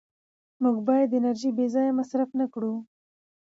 موږ باید انرژي بېځایه مصرف نه کړو